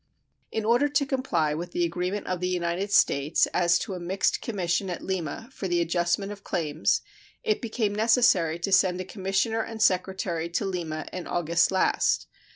In order to comply with the agreement of the United States as to a mixed commission at Lima for the adjustment of claims, it became necessary to send a commissioner and secretary to Lima in August last.